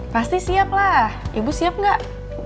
pasti siap lah ibu siap nggak